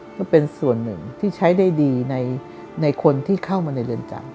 ก็เป็นส่วนหนึ่งที่ใช้ได้ดีในคนที่เข้ามาในเรือนจำ